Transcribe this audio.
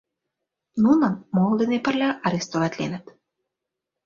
Нуным моло дене пырля арестоватленыт.